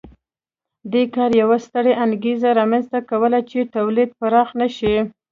دې کار یوه ستره انګېزه رامنځته کوله چې تولید پراخ نه شي